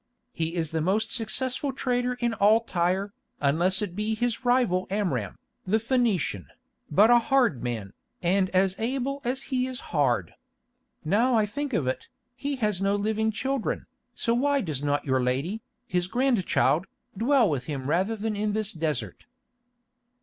He is the most successful trader in all Tyre, unless it be his rival Amram, the Phœnician, but a hard man, and as able as he is hard. Now I think of it, he has no living children, so why does not your lady, his grandchild, dwell with him rather than in this desert?"